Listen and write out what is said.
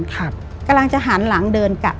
กำลังจะหันหลังเดินกลับ